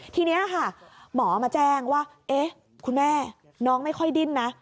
ทีนี้ค่ะหมอมาแจ้งว่าเอ๊ะคุณแม่น้องไม่ค่อยดิ้นนะ